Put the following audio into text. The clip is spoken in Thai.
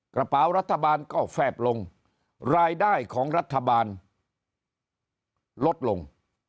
กระเป๋ารัฐบาลก็แฟบลงรายได้ของรัฐบาลลดลง